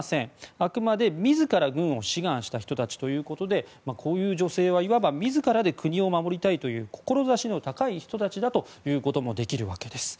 あくまで自ら軍を志願した人たちということでこういう女性はいわば自らで国を守りたいという志の高い人たちだということも言えるわけです。